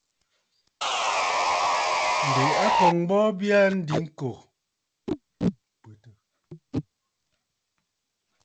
Ǹdè a kɔ̀ŋə̀ bɔɔ bya aa diŋkò.